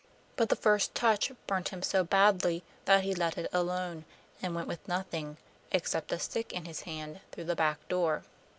But the first touch burnt him so badly that he let it alone, and went with nothing, except a stick in his hand, through the back door.